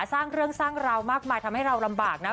สร้างเรื่องสร้างราวมากมายทำให้เราลำบากนะ